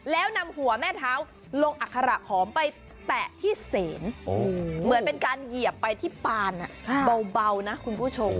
แล้วนำหัวแม่เท้าลงอัคระหอมไปแตะที่เสนเหมือนเป็นการเหยียบไปที่ปานเบานะคุณผู้ชม